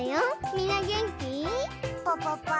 みんなげんき？